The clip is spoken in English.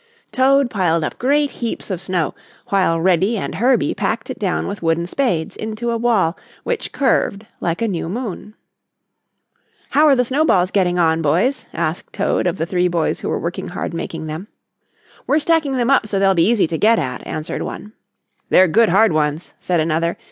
Toad piled up great heaps of snow while Reddy and Herbie packed it down with wooden spades into a wall which curved like a new moon. "How are the snowballs getting on, boys?" asked Toad of the three boys who were working hard making them. "We're stacking them up so they'll be easy to get at," answered one. "They're good hard ones," said another.